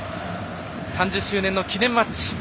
３０周年記念マッチ。